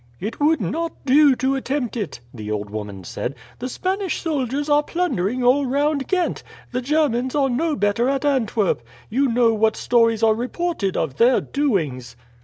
"It would not do to attempt it," the old woman said. "The Spanish soldiers are plundering all round Ghent; the Germans are no better at Antwerp. You know what stories are reported of their doings."